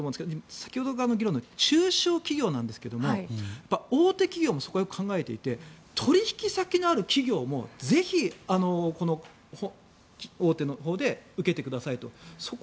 先ほどからの議論で中小企業ですが大手企業もそこはよく考えていて取引先のある企業もぜひ、大手のほうで受けてくださいと。